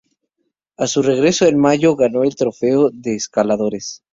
A su regreso en mayo, ganó el trofeo de escaladores.